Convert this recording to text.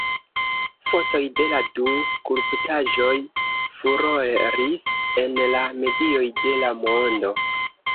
Fotoj de la du skulptaĵoj furoris en la medioj de la mondo.